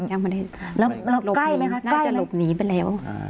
ยังไม่ได้แล้วใกล้ไหมคะใกล้ไหมน่าจะหลบหนีไปแล้ว